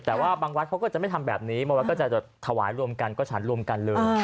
แต่ว่าบางวัดเขาก็จะไม่ทำแบบนี้ก็จะจะทวายร่วมกันก็ยังร่วมกันเลย